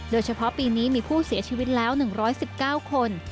โดยเฉพาะปีนี้มีผู้เสียชีวิตแล้ว๑๑๙คน